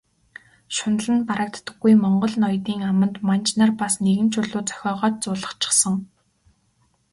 Шунал нь барагддаггүй монгол ноёдын аманд манж нар бас нэгэн чулуу зохиогоод зуулгачихсан.